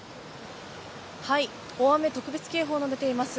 大雨特別警報が出ています